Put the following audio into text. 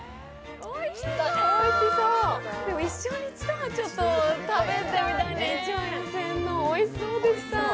おいしそう、でも一生に一度はちょっと食べてみたいね、１万４０００円のおいしそうでした。